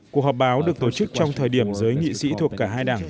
cuộc họp báo được tổ chức trong thời điểm giới nghị sĩ thuộc cả hai đảng